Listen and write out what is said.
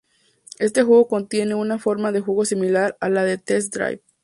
Este juego contiene una forma de juego similar a la de "Test Drive".